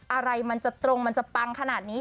อะไรมันจะตรงมันจะปังขนาดนี้